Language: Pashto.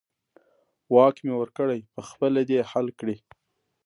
واک مې ورکړی، په خپله دې حل کړي.